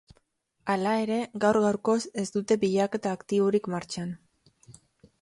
Hala ere, gaur-gaurkoz ez dute bilaketa aktiborik martxan.